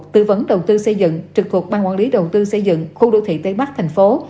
tư vấn đầu tư xây dựng trực thuộc ban quản lý đầu tư xây dựng khu đô thị tây bắc thành phố